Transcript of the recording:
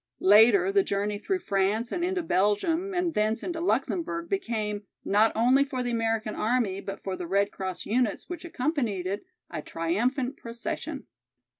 Later, the journey through France and into Belgium and thence into Luxemburg became, not only for the American army but for the Red Cross units which accompanied it, a triumphant procession.